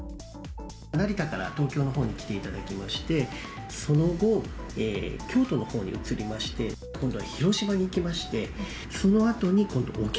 成田から東京のほうに来ていただきまして、その後、京都のほうに移りまして、今度は広島に行きまして、そのあとに沖